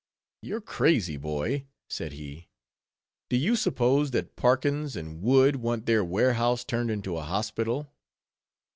"You're crazy, boy," said he; "do you suppose, that Parkins and Wood want their warehouse turned into a hospital?"